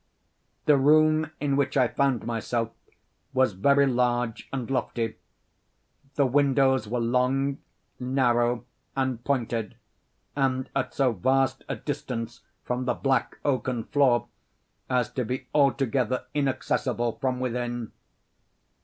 The room in which I found myself was very large and lofty. The windows were long, narrow, and pointed, and at so vast a distance from the black oaken floor as to be altogether inaccessible from within.